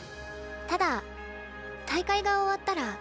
ただ大会が終わったら。